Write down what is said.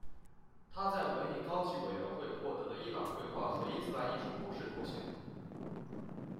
他在文艺高级委员会获得了伊朗绘画和伊斯兰艺术博士头衔。